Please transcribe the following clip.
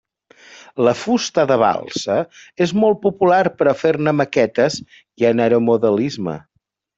La fusta de balsa és molt popular per a fer-ne maquetes i en aeromodelisme.